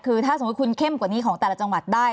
คือถ้าสมมุติคุณเข้มกว่านี้ของแต่ละจังหวัดได้